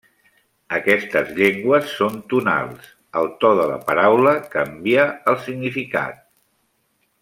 Aquestes llengües són tonals; el to de la paraula canvia el significat.